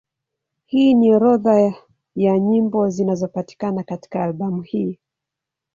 Hii ni orodha ya nyimbo zinazopatikana katika albamu hii.